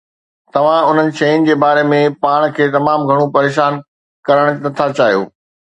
توهان انهن شين جي باري ۾ پاڻ کي تمام گهڻو پريشان ڪرڻ نٿا چاهيون